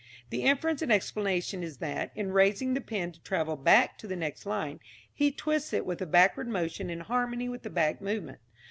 The inference and explanation is that, in raising the pen to travel back to the next line, he twists it with a backward motion in harmony with the back movement.